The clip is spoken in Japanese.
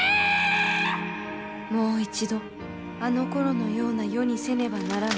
「もう一度あのころのような世にせねばならぬ。